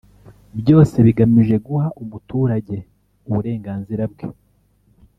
byose bigamije guha umuturage uburenganzira bwe